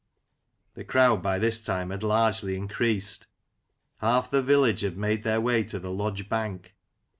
The crowd by this time had largely increased. Half the village had made their way to the lodge bank.